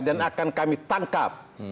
dan akan kami tangkap